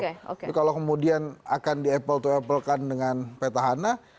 tapi kalau kemudian akan di apple to apple kan dengan petahana